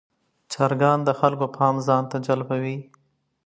چرګان د خلکو پام ځان ته جلبوي.